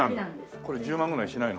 これ１０万ぐらいしないの？